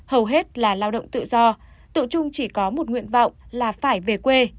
hầu hết là lao động tự do tụi chung chỉ có một nguyện vọng là phải về quê